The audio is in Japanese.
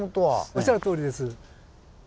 おっしゃるとおりです。